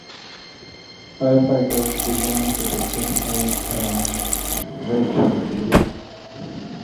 Firefighters began protecting homes around Red Shirt Lake.